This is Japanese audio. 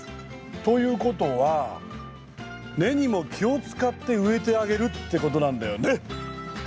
ということは根にも気を使って植えてあげるってことなんだよね？